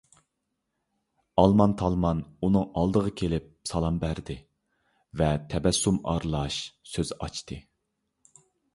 ئالمان - تالمان ئۇنىڭ ئالدىغا كېلىپ سالام بەردى ۋە تەبەسسۇم ئارىلاش سۆز ئاچتى: